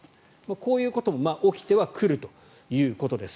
こういうことも起きてはくるということです。